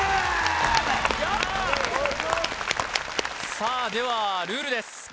さあではルールです